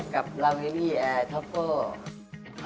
กับลาเวลลี่แอร์ทอฟเฟิล